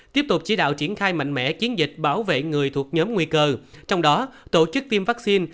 tiếp tục chỉ đạo triển khai mạnh mẽ chiến dịch bảo vệ người thuộc nhóm nguy cơ trong đó tổ chức tiêm vaccine